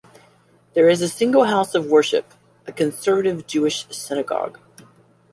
There is a single house of worship, a Conservative Jewish synagogue.